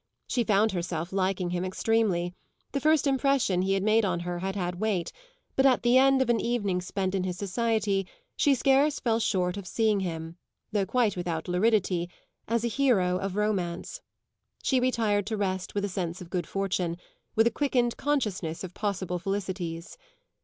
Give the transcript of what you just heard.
She found herself liking him extremely; the first impression he had made on her had had weight, but at the end of an evening spent in his society she scarce fell short of seeing him though quite without luridity as a hero of romance. She retired to rest with a sense of good fortune, with a quickened consciousness of possible felicities.